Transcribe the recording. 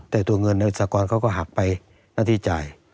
แต่ตัวเงินสากรเขาก็หักไปหน้าที่จ่าย